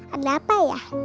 ada apa ya